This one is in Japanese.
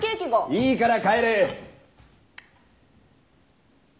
いいから帰れッ。